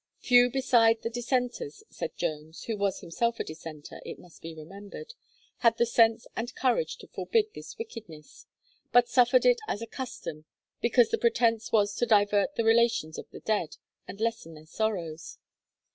'Few besides the dissenters,' says Jones (who was himself a dissenter, it must be remembered), 'had the sense and courage to forbid' this wickedness, but 'suffered it as a custom, because the pretence was to divert the relations of the dead, and lessen their sorrows.'